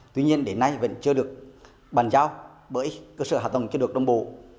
tuy nhiên đến nay vẫn chưa được bàn giao bởi cơ sở hạ tầng chưa được đồng bộ